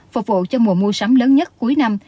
phục vụ cho mùa mua sắm lớn nhất cuối năm